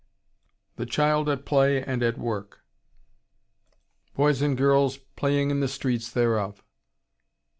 THE CHILD AT PLAY AND AT WORK "Boys and girls playing in the streets thereof."